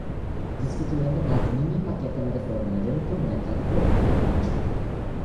Dyskutujemy nad mini pakietem reformy rynku mleka i produktów mlecznych